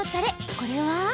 これは。